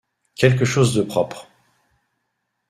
Quelque chose de propre!